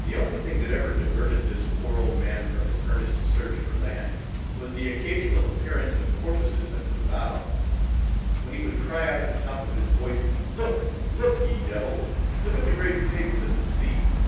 The only thing that ever diverted this poor old man from his earnest search for land, was the occasional appearance of porpoises under the bows; when he would cry out at the top of his voice—"Look, look, ye divils! look at the great pigs of the sea!"